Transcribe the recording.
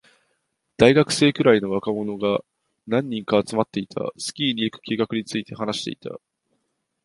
大学生くらいの若者が何人か集まっていた。スキーに行く計画について話していた。